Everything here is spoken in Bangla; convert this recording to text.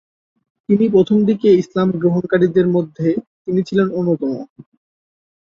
তিনি প্রথমদিকে ইসলাম গ্রহণকারীদের মধ্যে তিনি ছিলেন অন্যতম।